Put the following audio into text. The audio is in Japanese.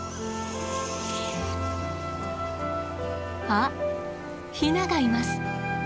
あっヒナがいます！